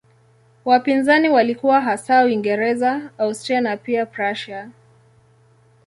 Wapinzani walikuwa hasa Uingereza, Austria na pia Prussia.